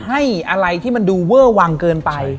แล้วก็ให้อะไรที่มันดูเว่อวางเกินไป